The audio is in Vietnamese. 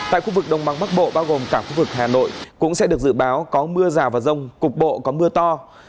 tại khu vực đông bắc bộ bao gồm cả khu vực hà nội cũng sẽ được dự báo có mưa rào và rông cục bộ có mưa to